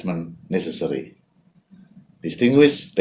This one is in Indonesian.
dengan beberapa perbaikan yang diperlukan